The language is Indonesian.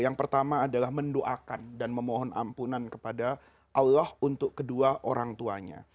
yang pertama adalah mendoakan dan memohon ampunan kepada allah untuk kedua orang tuanya